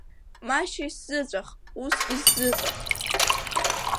Машьа, исзыҵәах, усгьы исзыҵәах.